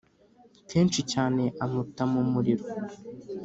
Kenshi cyane amuta mu muriro